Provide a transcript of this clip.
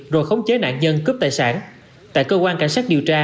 rồi khống chế nạn nhân cướp tài sản tại cơ quan cảnh sát điều tra